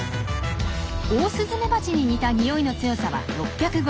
オオスズメバチに似た匂いの強さは６５１。